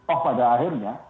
oh pada akhirnya